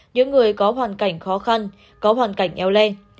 những người có hoàn cảnh khó khăn có hoàn cảnh eo len